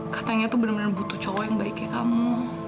katanya tuh bener bener butuh cowok yang baiknya kamu